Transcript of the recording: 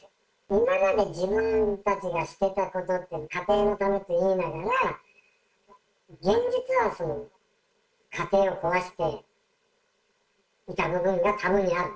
今まで自分たちがしてたことは、家庭のためと言いながら、現実は家庭を壊していた部分が多分にある。